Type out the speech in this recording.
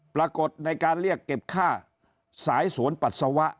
ปรากฏในการเรียกเก็บค่าสายสวนปัสสาวะ